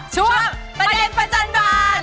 ช่วงประเด็นประจันบาล